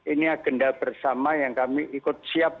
ini agenda bersama yang kami ikut siap